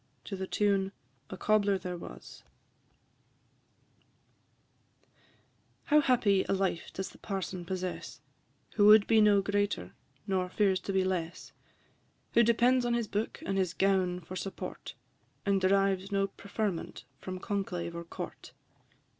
TUNE "A Cobbler there was," &c. I. How happy a life does the Parson possess, Who would be no greater, nor fears to be less; Who depends on his book and his gown for support, And derives no preferment from conclave or court!